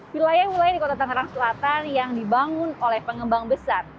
wilayah wilayah di kota tangerang selatan yang dibangun oleh pengembang besar